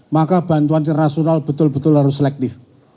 maka bantuan internasional betul betul harus selektif